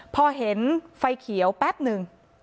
พอเห็นไฟเขียวแป๊บหนึ่ง